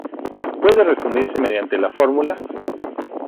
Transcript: Puede resumirse mediante la fórmula.